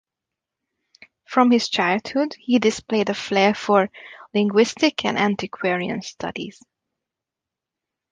From his childhood he displayed a flair for linguistic and antiquarian studies.